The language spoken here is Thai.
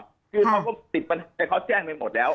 คือเขาก็ติดปัญหาแต่เขาแจ้งไปหมดแล้ว